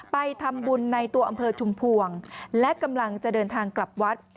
ไปทำบุญในตัวอำเภอชุมพวงและกำลังจะเดินทางกลับวัด